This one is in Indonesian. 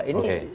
ini sudah diatur